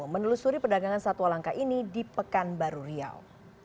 menelusuri perdagangan satwa langka ini di pekanbaru riau